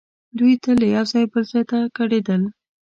دوی تل له یو ځایه بل ځای ته کډېدل.